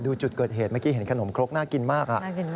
ดูจุดเกิดเหตุเมื่อกี้เห็นขนมครกน่ากินมาก